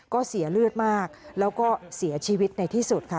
ก็เสียเลือดมากแล้วก็เสียชีวิตในที่สุดค่ะ